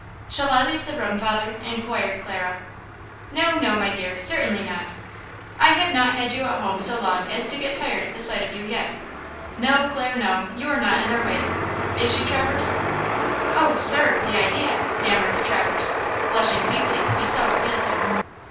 "Shall I leave the room, father?" inquired Clara. "No, no, my dear; certainly not. I have not had you home so long as to get tired of the sight of you yet! No, Clare, no; you are not in our way–is she, Traverse?" "Oh, sir, the idea–" stammered Traverse, blushing deeply to be so appealed to.